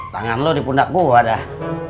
tangan lo di pundak gue dah